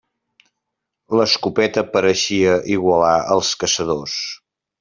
L'escopeta pareixia igualar els caçadors.